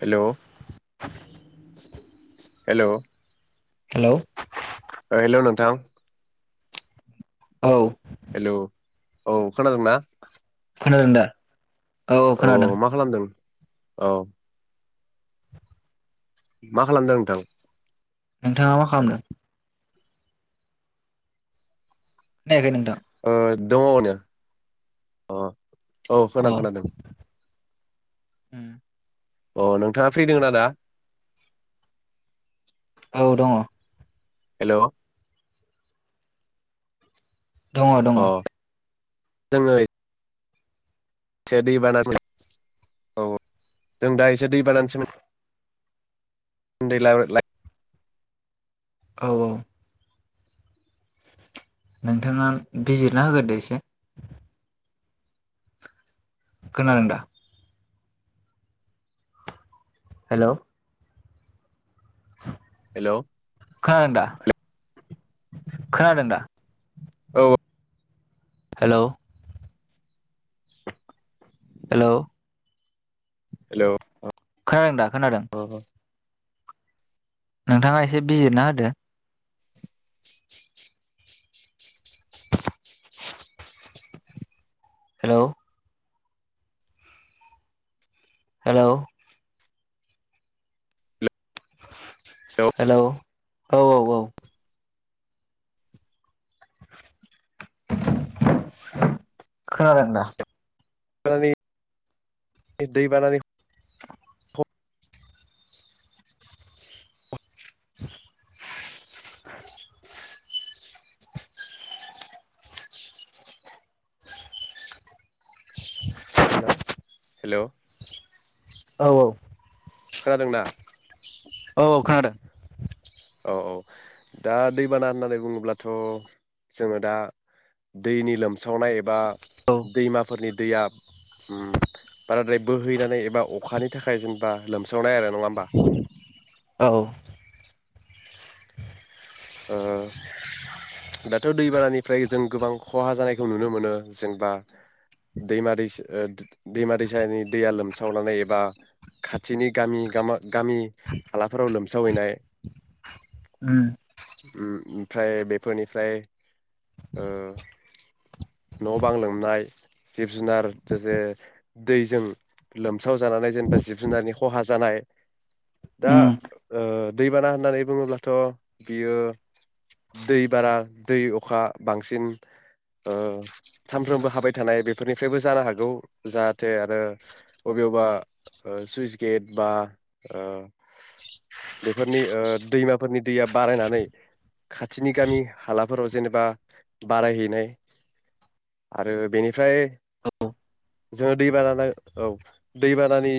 Hello hello hello ओ hello नोंथां औ हेलौ औ खोनादोंना? खोनादों दा । औ मा खालामदों? औ मा खालामदों नोंथां? नोंथाङा मा खालामदों? खोनायाखै नोंथां । दङो न'आवनो अ औ खोना खोनादों । होम अ नोंथाङा फ्रि दोंना दा? औ दङ । हेलौ दङ दङ । जोंङो एसे दै बानानै [unintelligible] औ औ जों दा एसे दै बानानि सोमो ए ला ला [unintelligible] औ औ नोंथाङा बिजिरना होगोरदो एसे । खोनादों दा? हेलौ हेलौ खोनादों दा [unintelligible] खोनादों दा? औ हेलौ हेलौ हेलौ अ खोनादों दा खोनादों नोंथाङा एसे बिजिरना होदो हेलौ हेलौ हेलौ औ औ औ खोनादों दा? [inaudible] दैबानानि [inaudible] [inaudible] हेल' औ औ खोनादोंना? औ औ खोनादों। औ औ दा दैबाना होननानै बुङोब्लाथ जोङो दा दैनि लोमसावनाय एबा औ दैमाफोरनि दैया उम बाराद्राय बोहैनानै एबा अखानि थाखाय जेनेबा लोमस्रावनाय आरो नङा होमबा औ ओ दाथ दैबानानिफ्राय जों गोबां खहा जानायखौ नुनो मोनो जेनबा दैमा दैस ओ दैमा दैसानि दैया लोमसावलनानै एबा खाथिनि गामि गामा गामि हालाफोराव लोमसावहैनाय उम ओम फ्राय बेफोरनिफ्राय ओ न बां लोमनाय जिब जुनार जो जे दैजों लोमसाव जानानै जेनेबा जिब जुनारनि खहा जानाय दा उम ओ दैबाना होननानै बुङोब्लाथ बियो दै बारा दै अखा बांसिन ओ सानफ्रोमबो हाबाय थानाय बेफोरनिफ्रायबो जानो हागौ जाहाथे आरो अबेआवबा ओ सुइस गेट बा ओ बेफोरनि ओ दैमाफोरनि दैया बारायनानै खाथिनि गामि हालाफोराव जेनेबा बारायहैनाय आरो बेनिफ्राय औ जोङो दैबाना औ दैबानानि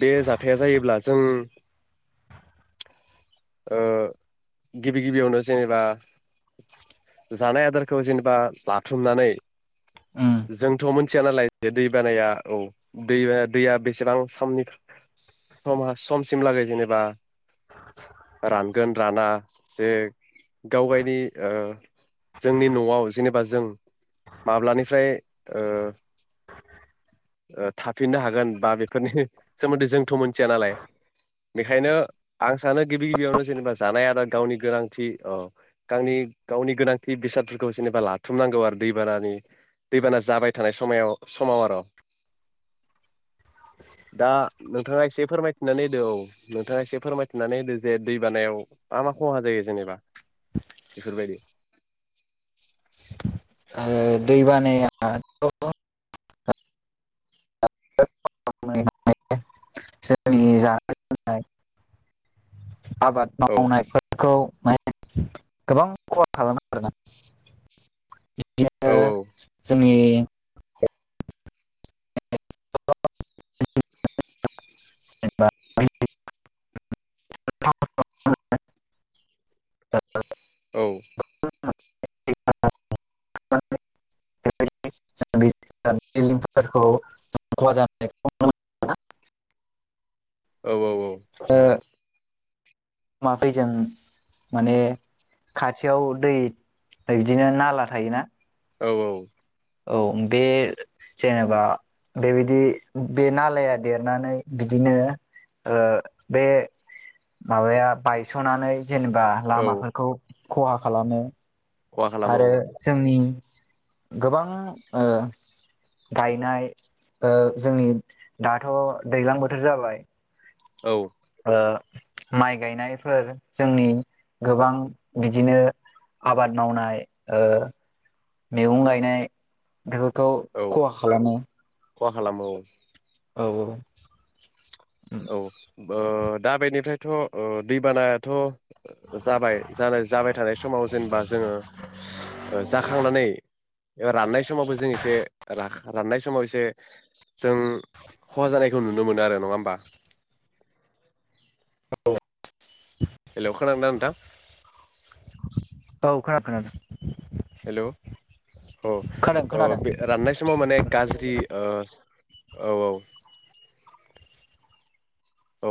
बे जाथाया जायोब्ला जों ओ गिबि गिबियावनो जेनेबा जानाय आदारखौ जेनेबा लाथुमनानै उम जोंथ मोनथिया नालाय जे दैबानाया औ दै दैया बेसेबां समनि सम समसिम लागै जेनेबा रानगोन राना जे गावगायनि ओ जोंनि नआव जेनेबा जों माब्लानिफ्राय ओ थाफिननो हागोन बा बेफोरनि सोमोन्दै जोंथ मोनथिया नालाय बेखायनो आं सानो गिबि गिबियावनो जेनेबा जानाय आरो गावनि गोनांथि औ गावनि गावनि गोनांथि बेसादफोरखौ जेनेबा लाथुमनांगौ आरो दैबानानि दैबाना जाबाय थानाय समायाव समाव आरो दा नोंथाङा एसे फोरमायथिनानै होदो औ नोंथाङा एसे फोरमायथिनानै होदो जे दैबानायाव मा मा खहा जायो जेनेबा बेफोरबायदि? ओ दैबानायाथ जोंनि जानाय लोंनाय आबाद औ मावनायफोरखौ माइ गोबां खहा खालामो आरोना बिदिनो औ जोंनि [inaudible] [inaudible] औ [inaudible] औ औ औ ओ मा फैजों माने खाथियाव दै बिदिनो नाला थायोना औ औ औ बे जेनेबा बेबायदि बे नालाया देरनानै बिदिनो ओ बे माबाया बायसनानै जेनेबा औ लामाफोरखौ खहा खालामनो। खहा खालामो आरो औ जोंनि गोबां ओ गायनाय ओ जोंनि दाथ' दैज्लां बोथोर जाबाय। औ। ओ माइ गायनायफोर जोंनि गोबां बिदिनो आबाद ओ मावनाय मैगं गायनाय बेफोरखौ औ खहा खालामो। खहा खालामो औ। औ औ। औ। ओ दा बेनिफ्रायथ' दैबानायाथ' जाबाय जानाय जाबाय थानाय समाव जेनेबा जोङो जाखांनानै राननाय समावबो जों एसे राखां राननाय समाव एसे जों खहा जानायखौ नुनो मोनो आरो नङा होमबा। हेलौ खोनादों ना नोंथां? औ खोनादों। हेलौ औ ओ खोनादों राननाय समाव माने गाज्रि ओ औ औ। औ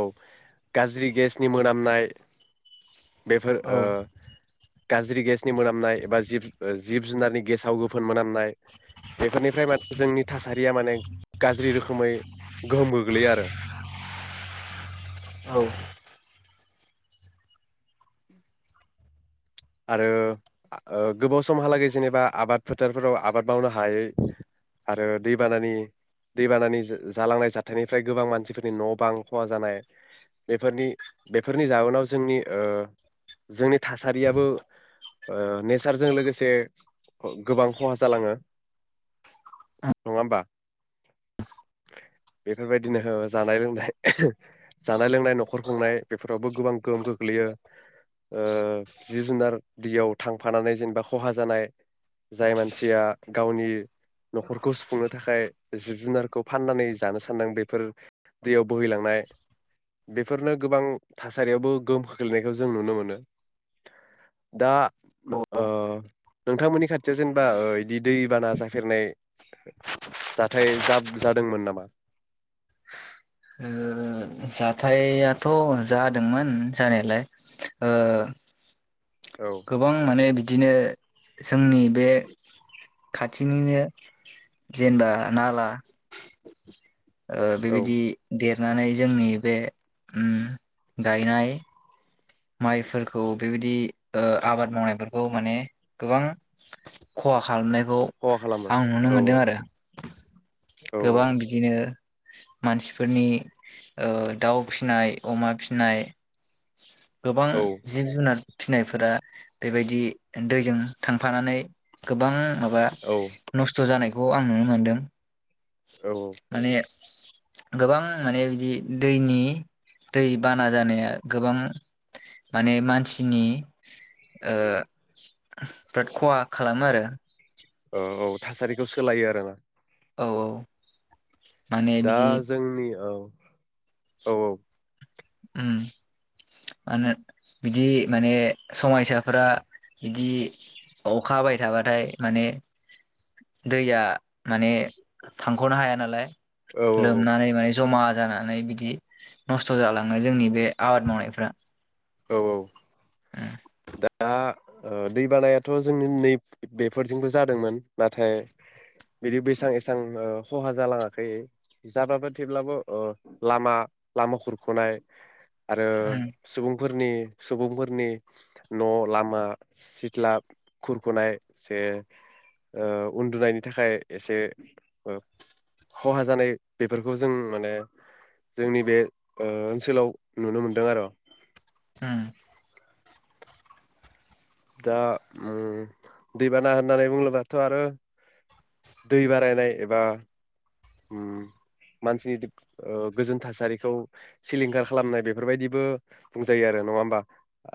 गाज्रि गेसनि मोनामनाय बेफोर औ ओ गाज्रि गेसनि मोनामनाय एबा जिब जिब जुनारनि गेसाव गोफोन मोनामनाय। बेफोरनिफ्राय माने जोंनि थासारिया माने गाज्रि रोखोमै गोहोम गोग्लैयो आरो। औ। आरो गोबाव समहालागै जेनेबा आबाद फोथारफोराव आबाद मावनो हायै आरो दैबानानि दैबानानि जालांनाय जाथायनिफ्राय गोबां मानसिफोरनि न' बां खहा जानाय बेफोरनि बेफोरनि जाउनाव जोंनि ओ जोंनि थासारियाबो ओ नेचारजों लोगोसे गोबां खहा जालाङो नङा होमबा बेफोरबायदिनो जानाय लोंनाय जानाय लोंनाय न'खर खुंनाय बेफोरावबो गोबां गोहोम गोग्लैयो। ओ जिब जुनार दैयाव थांफानानै जेनेबा खहा जानाय जाय मानसिया गावनि न'खरखौ सुफुंनो थाखाय जिब जुनारखौ फाननानै जानो सानदों बेफोर दैयाव बोहैलांनाय बेफोरनो गोबां थासारियावबो गोहोम खोख्लैनायखौ जों नुनो मोनो। दा ओ। नोंथांमोननि खाथियाव जेनेबा बिदि दैबाना जाफेरनाय जाथाय जादोंमोन नामा? ओ जाथायाथ' जादोंमोन जानायालाय ओ औ गोबां माने बिदिनो जोंनि बे खाथिनिनो जेनेबा नाला औ बेबायदि देर नानै जोंनि बे उम गायनाय माइफोरखौ बेबायदि ओ आबाद मावनायफोरखौ माने गोबां खहा खालामनाय खौ खहा खालामो आं नुनो औ मोन्दों आरो। औ गोबां बिदिनो ओ मानसिफोरनि ओ दाउ फिनाय अमा फिनाय गोबां औ जिब जुनार फिनायफोरा बेबायदि दैजों थांफानानै गोबां माबा औ नस्थ' जानाय खौ आं नुनो मोनदों। औ माने गोबां माने बिदि दैनि दै बाना जानाया गोबां माने मानसिनि ओ बिराद खहा खालामो आरो। औ औ थासारिखौ सोलायो आरोना। औ औ माने दा बिदि जोंनि औ औ औ ओम मानो बिदि माने समायसाफोरा बिदि अखा हाबाय थाबाथाय माने दैया माने थांख'नो हाया नालाय। औ लोमनानै माने जमा जानानै बिदि नस्थ' जाला नाय जोंनि बे आबाद मावनायफ्रा। औ औ दा ओ दै बानायाथ' जोंनि नै बेफोरथिंबो जादोंमोन नाथाय बिदि बेसां एसां ओ खहा जालाङाखै। जाब्लाबो थेवब्लाबो ओ लामा लामा खुरख'नाय आरो उम सुबुं फोरनि सुबुंफोरनि न', लामा, सिथ्ला खुरख'नाय से ओ उन्दुनायनि थाखाय एसे खहा जानाय बेफोरखौ जों माने जोंनि बे ओनसोलाव नुनो मोनदों आरो। ओम दा ओम दैबाना होननानै बुङोबाथ' आरो दै बारायनाय एबा ओम मानसिनि ओ गोजोन थासारिखौ सिलिंखार खालामनाय बेफोरबायदिबो बुंजायो आरो नङा होमबा।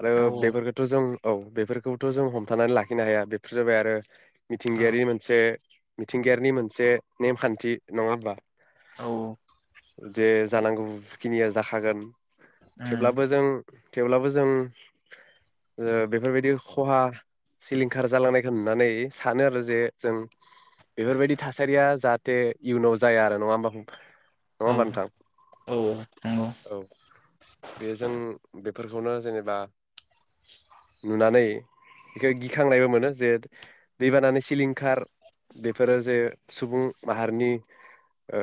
आरो औ बेफोरखौथ' जों औ बेफोरखौथ' जों हमथानानै लाखिनो हाया। बेफोर जाबाय आरो औ मिथिंगायारि मोनसे मिथिंगायारिनि मोनसे नेमखान्थि। नङा होनबा? औ जे जानांगौखिनिया जाखागोन। उम थेवब्लाबो जों थेवब्लाबो जों ओ बेफोरबायदि ख'हा सिलिंखार जालांनायखौ नुनानै सानो आरो जे जों बेफोरबायदि थासारिया जाहाथे इयुनाव जाया आरो नङा होमबा फंबाय? नङा औ होमबा औ नोंथां? औ नंगौ औ बे जों बे फोरखौनो जेनेबा नुनानै बेखौ गिखांनायबो मोनो जे दैबानानि सिलिंखार बेफोरो जे सुबुं माहारिनि ओ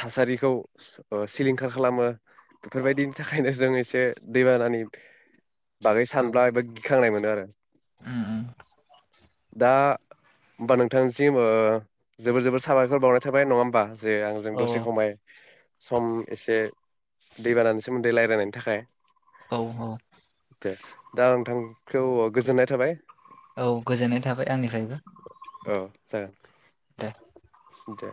थासारिखौ ओ सिलिंखार खालामो बेफोरबायदिनि थाखायनो जों एसे दैबानानि बागै औ सानब्लाबो एबा गिख खांनाय मोनो आरो। उम उम दा हबा नोंथांसिम जोबोर जोबोर साबाय फोर बावनाय थाबाय नङा होनबा जे आंजों औ दसे खमाय सम एसे दैबानानि सोमोन्दै रायलायनायनि थाखाय। औ दे दा नोंथां खौ गोजोननाय थाबाय। औ गोजोननाय थाबाय आंनिफ्रायबो औ जागोन दे दे